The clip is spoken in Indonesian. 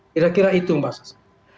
kira kira itu mbak sasa